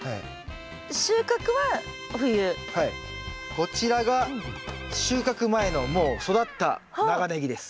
こちらが収穫前のもう育った長ネギです。